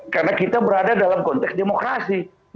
karena kita berada dalam konteks demokrasi